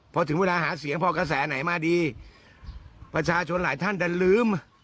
พอถึงเวลาหาเสียงพอกระแสไหนมาดีประชาชนหลายท่านจะลืม